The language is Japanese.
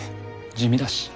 地味だし。